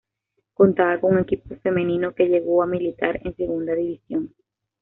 Contaba con un equipo femenino, que llegó a militar en Segunda División.